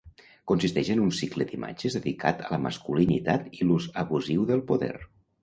Consisteix en un cicle d’imatges dedicat a la masculinitat i l’ús abusiu del poder.